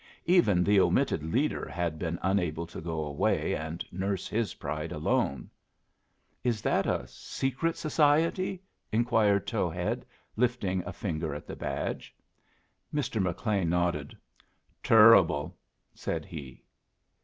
Even the omitted leader had been unable to go away and nurse his pride alone. "Is that a secret society?" inquired Towhead, lifting a finger at the badge. Mr. McLean nodded. "Turruble," said he.